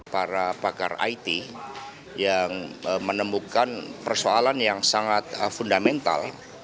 para pakar it yang menemukan persoalan yang sangat fundamental